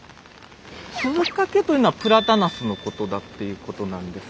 鈴懸というのはプラタナスのことだっていうことなんです。